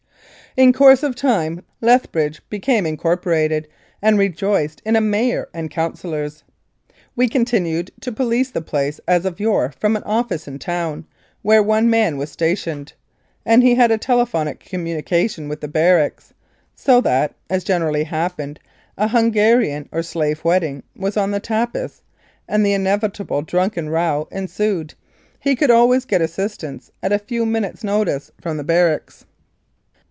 " In course of time Lethb ridge became incorporated, and rejoiced in a mayor and councillors. We continued to police the place as of yore from an office in town, where one man was stationed, and he had telephonic communication with the barracks, so that if, as generally happened, a Hungarian or Slav wedding was on the tapis, and the inevitable drunken row ensued, he could always get assistance at a few minutes' notice from the barracks.